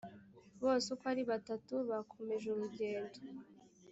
bose uko ari batatu bakomeje urugendo